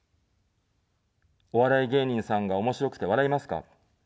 お笑い芸人さんがおもしろくて笑いますか。